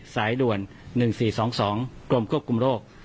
สายด่วน๑๔๒๒กรมจุกกรุมโรค